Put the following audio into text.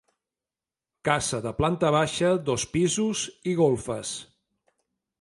Casa de planta baixa, dos pisos i golfes.